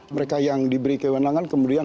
mereka yang diberi kewenangan kemudian